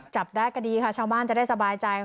จับได้ก็ดีค่ะชาวบ้านจะได้สบายใจ